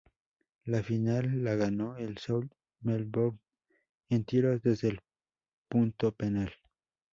La final la ganó el South Melbourne, en tiros desde el punto penal.